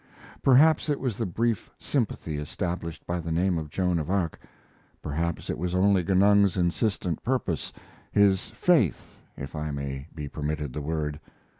Perhaps it was the brief sympathy established by the name of Joan of Arc, perhaps it was only Genung's insistent purpose his faith, if I may be permitted the word.